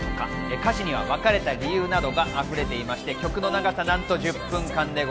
歌詞には別れた理由などがあふれていまして、曲の長さ、なんと１０分間です。